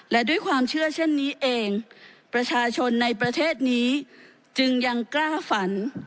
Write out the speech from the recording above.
และด้วยความเชื่อเช่นนี้เองประชาชนในประเทศนี้จึงยังกล้าฝัน